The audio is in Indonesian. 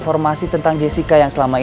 kemudian lakukan sesuatu